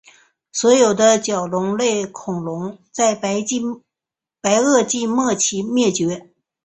所有的角龙类恐龙在白垩纪末期灭绝。